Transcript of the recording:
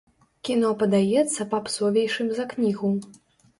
Кіно падаецца папсовейшым за кнігу.